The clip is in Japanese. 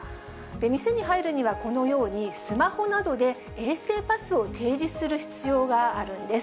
店に入るにはこのように、スマホなどで衛生パスを提示する必要があるんです。